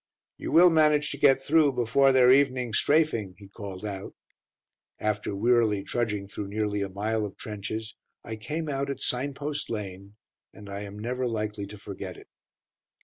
"You will manage to get through before their evening 'strafing,'" he called out. After wearily trudging through nearly a mile of trenches, I came out at "Signpost Lane," and I am never likely to forget it.